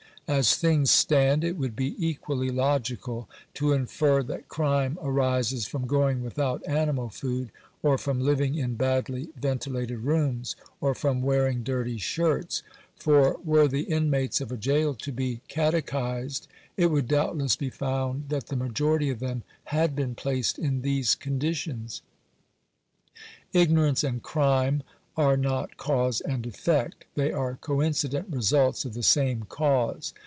As things stand it would be equally logical to infer that crime arises from going without animal food, or from living in badly ventilated rooms, or from wearing dirty shirts ; for were the inmates of a gaol to be cate chised, it would doubtless be found that the majority of them had been placed in these conditions. Ignorance and crime are not cause and effect ; they are coincident results of the same cause.